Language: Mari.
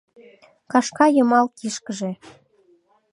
Кашка йымал кишкыже